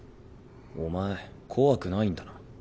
お前怖くないんだな。